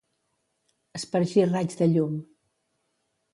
Espargir raigs de llum.